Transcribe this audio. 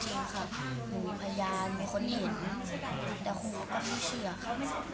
มีพยานมีคนเห็นแต่ครูก็ไม่เชื่อค่ะ